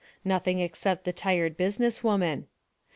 Nothing except the Tired Business Woman.